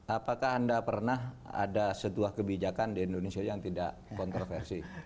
apakah anda pernah ada sebuah kebijakan di indonesia yang tidak kontroversi